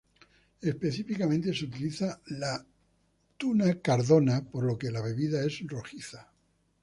Específicamente, se utiliza la "tuna cardona", por lo que la bebida es rojiza.